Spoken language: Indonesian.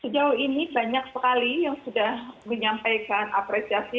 sejauh ini banyak sekali yang sudah menyampaikan apresiasi